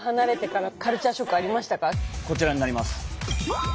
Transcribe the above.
こちらになります。